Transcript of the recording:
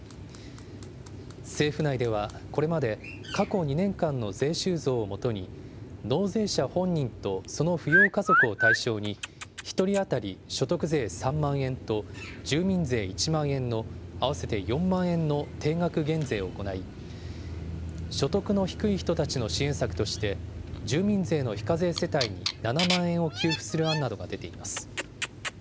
政府内ではこれまで、過去２年間の税収増をもとに、納税者本人とその扶養家族を対象に、１人当たり所得税３万円と、住民税１万円の合わせて４万円の定額減税を行い、所得の低い人たちの支援策として、住民税の非課税世帯に７万円を給付する案などが出ています。